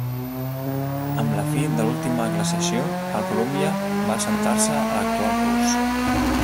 Amb la fi de l'última glaciació el Columbia va assentar-se a l'actual curs.